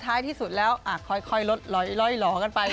ท้ายที่สุดแล้วค่อยลดลอยหล่อกันไป